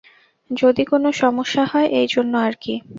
যদি কোনো সমস্যা হয়, এইজন্য আর কি।